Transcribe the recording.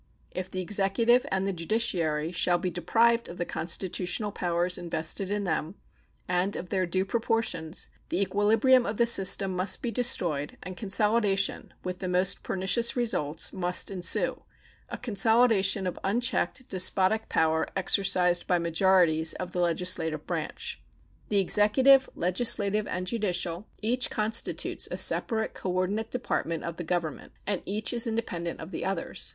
If the Executive and the judiciary shall be deprived of the constitutional powers invested in them, and of their due proportions, the equilibrium of the system must be destroyed, and consolidation, with the most pernicious results, must ensue a consolidation of unchecked, despotic power, exercised by majorities of the legislative branch. The executive, legislative, and judicial each constitutes a separate coordinate department of the Government, and each is independent of the others.